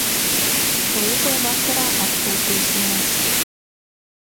Līgo vakarā atpūtīsimies.